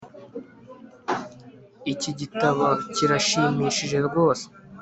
Iki gitabo kirashimishije rwose